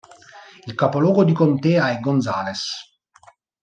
Il capoluogo di contea è Gonzales.